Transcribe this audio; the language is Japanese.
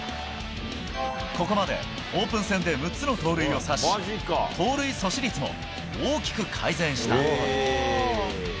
ここまでオープン戦で６つの盗塁を刺し盗塁阻止率も大きく改善した。